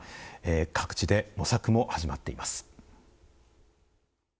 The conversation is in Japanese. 各地で模索も始まっています。